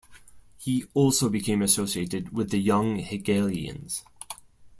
He also became associated with the Young Hegelians.